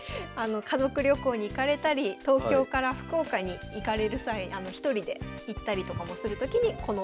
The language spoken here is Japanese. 家族旅行に行かれたり東京から福岡に行かれる際１人で行ったりとかもするときにこのトヨカーで。